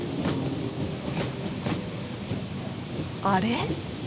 あれ？